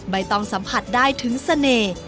ต้องสัมผัสได้ถึงเสน่ห์